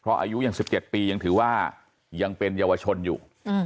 เพราะอายุยัง๑๗ปียังถือว่ายังเป็นเยาวชนอยู่